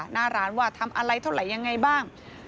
หน้าร้านว่าทำอะไรเท่าไหร่ยังไงบ้าง